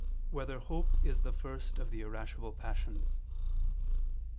3] Whether Hope Is the First of the Irascible Passions?